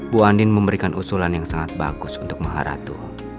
bu andin memberikan usulan yang sangat bagus untuk maharatu